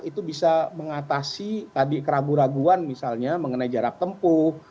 itu bisa mengatasi tadi keraguan keraguan misalnya mengenai jarak tempuh